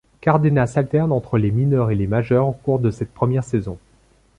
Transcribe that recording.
Cardenas alterne entre les mineures et les majeures au cours de cette première saison.